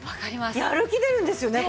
やる気出るんですよね